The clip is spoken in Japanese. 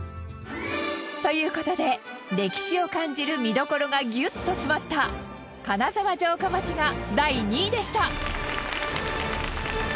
という事で歴史を感じる見どころがギュッと詰まった金沢城下町が第２位でした。